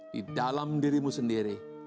di dalam dirimu sendiri